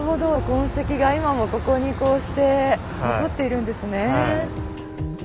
痕跡が今もここにこうして残っているんですね。